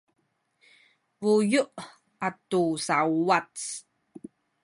buyu’ atu sauwac